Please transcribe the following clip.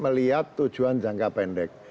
melihat tujuan jangka pendek